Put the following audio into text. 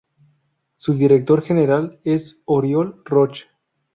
Su director general es Oriol Roch.